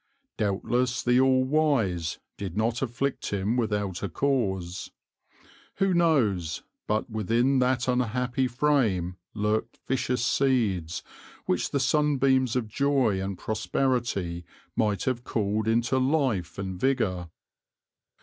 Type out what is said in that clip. Doubtless the All wise did not afflict him without a cause! Who knows but within that unhappy frame lurked vicious seeds which the sunbeams of joy and prosperity might have called into life and vigour?